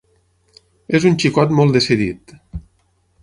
És un xicot molt decidit.